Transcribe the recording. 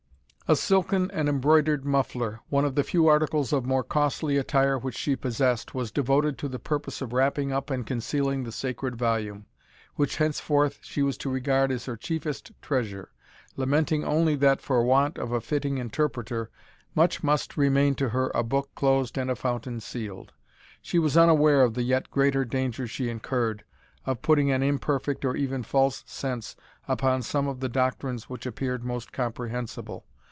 A silken and embroidered muffler, one of the few articles of more costly attire which she possessed, was devoted to the purpose of wrapping up and concealing the sacred volume, which henceforth she was to regard as her chiefest treasure, lamenting only that, for want of a fitting interpreter, much must remain to her a book closed and a fountain sealed. She was unaware of the yet greater danger she incurred, of putting an imperfect or even false sense upon some of the doctrines which appeared most comprehensible.